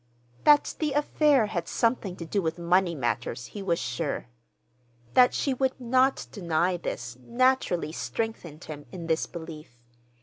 That the affair had something to do with money matters he was sure. That she would not deny this naturally strengthened him in this belief.